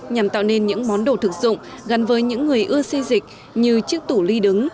nhằm tạo nên những món đồ thực dụng gắn với những người ưa xây dịch như chiếc tủ ly đứng